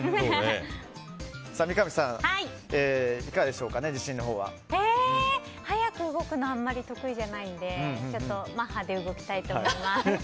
三上さん、いかがでしょうか自信のほうは。早く動くのはあまり得意じゃないのでマッハで動きたいと思います。